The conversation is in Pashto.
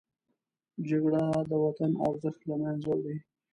جګړه د وطن ارزښت له منځه وړي